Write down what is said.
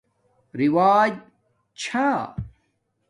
رِوج چھا